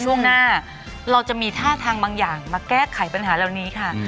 ช่วงหน้าเราจะมีท่าทางบางอย่างมาแก้ไขปัญหาเหล่านี้ค่ะ